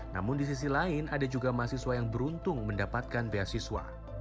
namun di sisi lain ada juga mahasiswa yang beruntung mendapatkan beasiswa